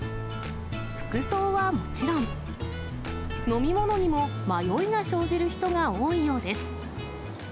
服装はもちろん、飲み物にも迷いが生じる人が多いようです。